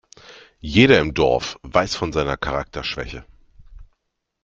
Jeder im Dorf weiß von seiner Charakterschwäche.